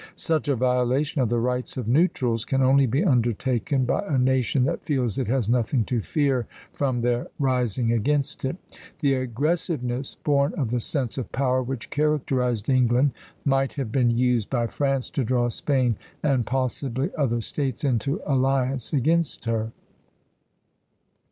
Such a violation of the rights of neutrals can only be undertaken by a nation that feels it has nothing to fear from their rising against it. The aggressiveness, born of the sense of power, which characterized England might have been used by France to draw Spain and possibly other States into alliance against her.